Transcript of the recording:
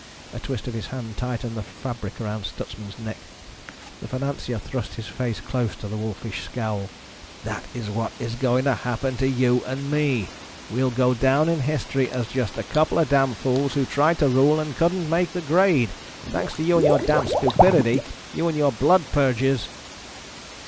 A twist of his hand tightened the fabric around Stutsman's neck. The financier thrust his face close to the wolfish scowl. "That is what is going to happen to you and me. We'll go down in history as just a couple of damn fools who tried to rule and couldn't make the grade. Thanks to you and your damned stupidity. You and your blood purges!"